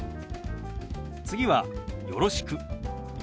次は「よろしく」。